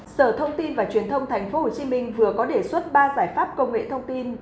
sở thông tin và truyền thông tp hcm vừa có đề xuất ba giải pháp công nghệ thông tin